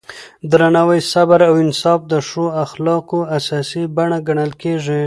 درناوی، صبر او انصاف د ښو اخلاقو اساسي بڼې ګڼل کېږي.